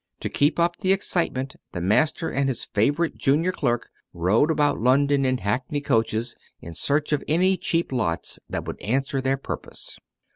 To keep up the excitement, the master and his favorite junior clerk rode about London in hackney coaches, in search of any cheap lots that would answer their purpose.